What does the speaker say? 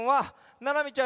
ななみちゃん。